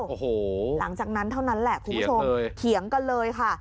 โอ้โหเขียงเลยหลังจากนั้นแหละคุณผู้ชมเขียงกันเลยค่ะ